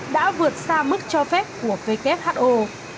đã vượt xa mức cho phép của who